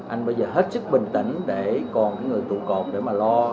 anh bây giờ hết sức bình tĩnh để còn những người tụ cột để mà lo